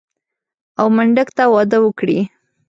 او منډک ته واده وکړي.